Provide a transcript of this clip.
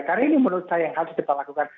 karena ini menurut saya yang harus kita lakukan